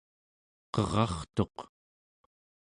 qerartuq